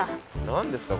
何ですか？